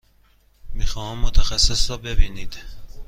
می خواهم متخصص را ببینید.